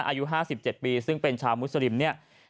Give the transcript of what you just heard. อายุ๕๗ปีซึ่งเป็นชาวมุสลิมเนี่ย